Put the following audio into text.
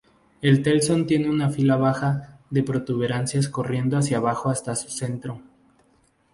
El telson tiene una fila baja de protuberancias corriendo hacia abajo hasta su centro.